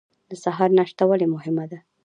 د سهار ناشته ولې مهمه ده؟